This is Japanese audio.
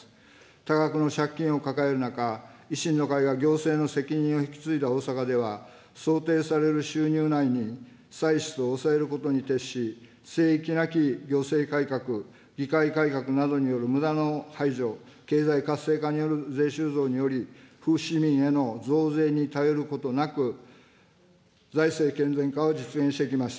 多額の借金を抱える中、維新の会が行政の責任を引き継いだ大阪では、想定される収入内に歳出を抑えることに徹し、聖域なき行政改革、議会改革などによるむだの排除、経済活性化による税収増により、府市民への増税に頼ることなく、財政健全化を実現してきました。